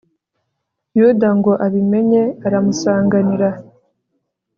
yuda ngo abimenye aramusanganira